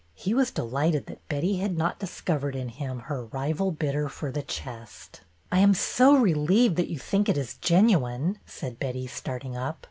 He was delighted that Betty had not discovered in him her rival bidder for the chest. I am so relieved that you think it is gen uine," said Betty, starting up.